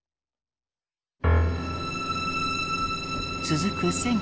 続く